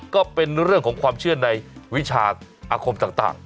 ก็เป็นเรื่องของความเชื่อในวิชาอาคมต่าง